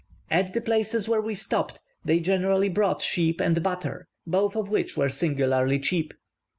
At the places where we stopped they generally brought sheep and butter, both of which were singularly cheap.